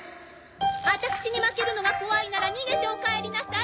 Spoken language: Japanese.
アタクシに負けるのが怖いなら逃げてお帰りなさい！